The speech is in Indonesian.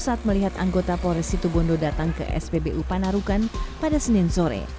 saat melihat anggota polres situbondo datang ke spbu panarukan pada senin sore